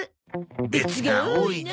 別が多いな。